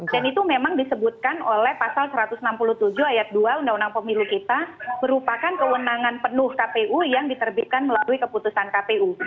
dan itu memang disebutkan oleh pasal satu ratus enam puluh tujuh ayat dua undang undang pemilu kita merupakan kewenangan penuh kpu yang diterbitkan melalui keputusan kpu